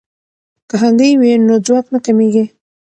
که هګۍ وي نو ځواک نه کمیږي.